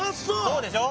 そうでしょ？